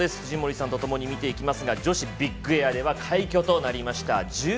藤森さんとともに見ていきますが女子ビッグエアでは快挙となりました。